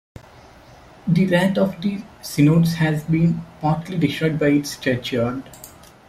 The 'Rath of the Synods' has been partly destroyed by its churchyard.